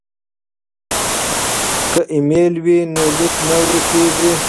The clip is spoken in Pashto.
که ایمیل وي نو لیک نه ورک کیږي.